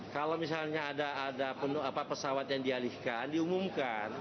kalau misalnya ada pesawat yang dialihkan diumumkan